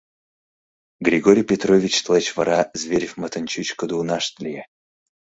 Григорий Петрович тылеч вара Зверевмытын чӱчкыдӧ унашт лие...